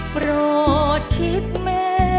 โปรดคิดแม่